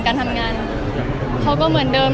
การทำงานเขาก็เหมือนเดิม